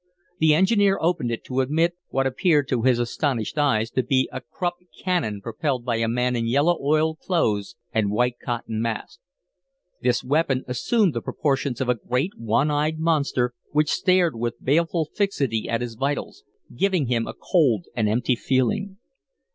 The engineer opened it to admit what appeared to his astonished eyes to be a Krupp cannon propelled by a man in yellow oiled clothes and white cotton mask. This weapon assumed the proportions of a great, one eyed monster, which stared with baleful fixity at his vitals, giving him a cold and empty feeling.